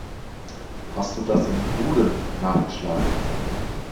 Hast du das im Duden nachgeschlagen?